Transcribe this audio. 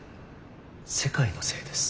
世界のせいです。